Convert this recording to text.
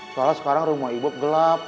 soalnya sekarang rumah ibu gelap